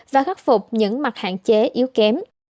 và khắc phục những mặt hạn chế yếu kém